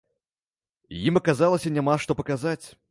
Ім аказалася няма што паказаць.